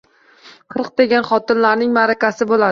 Qirq degan xotinlarning ma’rakasi bo‘ladi.